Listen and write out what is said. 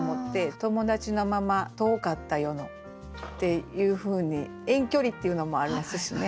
「友達のまま遠かった夜の」っていうふうに遠距離っていうのもありますしね。